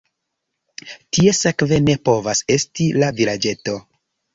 Tie sekve ne povas esti la vilaĝeto.